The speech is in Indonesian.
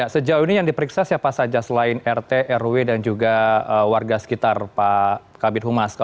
sejauh ini yang diperiksa siapa saja selain rt rw dan juga warga sekitar pak kabit humas